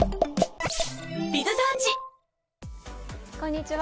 こんにちは。